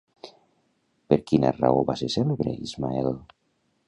Per quina raó va ser cèlebre, Ismael?